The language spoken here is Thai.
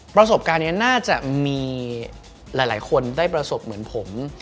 ประสบการณ์นี้น่าจะมีหลายคนได้ประสบเหมือนผม